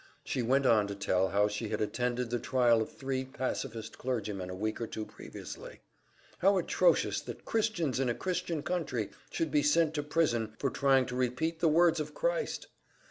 She went on to tell how she had attended the trial of three pacifist clergymen a week or two previously. How atrocious that Christians in a Christian country should be sent to prison for trying to repeat the words of Christ!